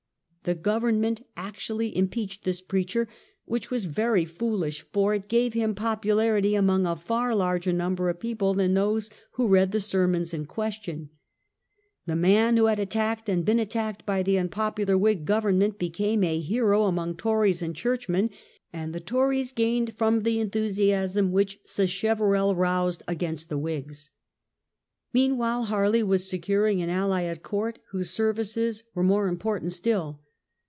The government actually impeached this preacher, which was very foolish, for it gave him popularity among a far larger number of people than those who read the sermons in question. The man who had attacked and been attacked by the unpopular Whig government became a hero among Tories and churchmen, and the Tories gained from the enthusiasm which Sacheverell roused against the Whigs. Meanwhile Harley was securing an ally at court whose services were more important still.